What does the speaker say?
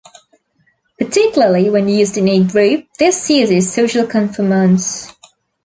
Particularly when used in a group, this uses social conformance.